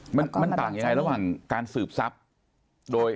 มันต่างอย่างไรระหว่างการสืบทรัพย์